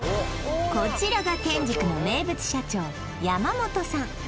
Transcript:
こちらがてんじくの名物社長山本さん